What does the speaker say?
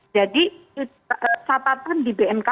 jadi catatan di bmkg merekam